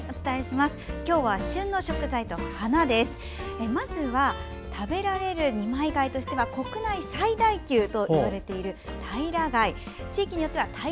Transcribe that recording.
まずは食べられる二枚貝としては国内最大級といわれるタイラガイ。